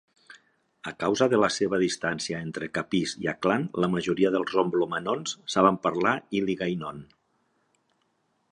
A causa de la seva distància entre Capís i Aklan, la majoria dels romblomanons saben parlar híligaynon.